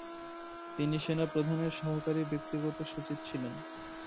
তিনি সেনাপ্রধানের সহকারী ব্যক্তিগত সচিব ছিলেন।